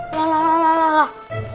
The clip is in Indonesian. lah lah lah lah lah